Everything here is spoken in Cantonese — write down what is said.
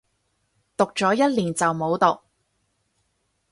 讀咗一年就冇讀